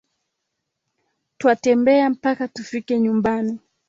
Twatembea mpaka tufike nyumbani